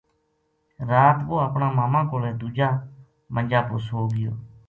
رات وہ اپنا ماما کولے دوجا منجا پو سو گیو